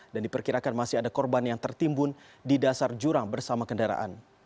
dan diperkirakan masih ada korban yang tertimbun di dasar jurang bersama kendaraan